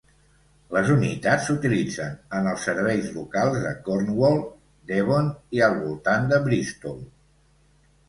Les unitats s'utilitzen en els serveis locals de Cornwall, Devon, i al voltant de Bristol.